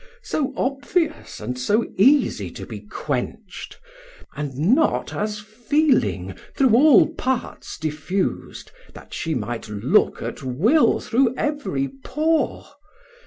So obvious and so easie to be quench't, And not as feeling through all parts diffus'd, That she might look at will through every pore?